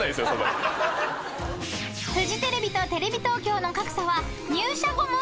［フジテレビとテレビ東京の格差は入社後も続く！］